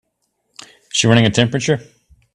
Is she running a temperature?